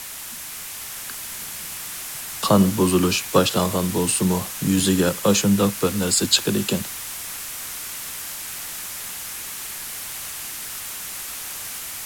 قان بۇزۇلۇش باشلانغان بولسىمۇ يۈزىگە ئاشۇنداق بىر نەرسە چىقىدىكەن.